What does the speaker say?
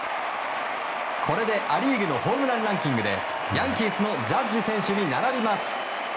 これでア・リーグのホームランランキングでヤンキースのジャッジ選手に並びます。